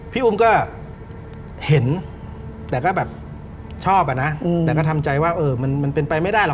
พี่อุ้มก็เห็นแต่ก็แบบชอบอ่ะนะแต่ก็ทำใจว่าเออมันเป็นไปไม่ได้หรอก